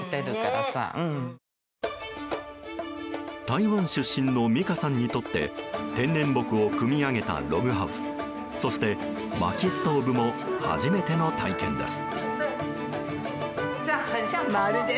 台湾出身のミカさんにとって天然木を組み上げたログハウスそして、薪ストーブも初めての体験です。